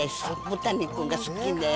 豚肉が好きです。